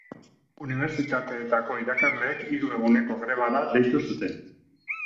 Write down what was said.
Unibertsitateetako irakasleek hiru eguneko grebara deitu zuten.